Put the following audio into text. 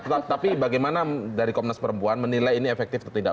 tetapi bagaimana dari komnas perempuan menilai ini efektif atau tidak